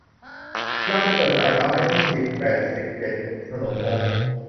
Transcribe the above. เราจะเปิดสาขาใหม่ที่ สิบ แปดสิบเจ็ด ถนนโอ๊ค